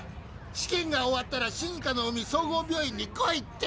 「試験が終わったら静かの海総合病院に来い」って。